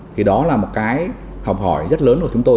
thì đó là một cái học hỏi rất lớn của chúng tôi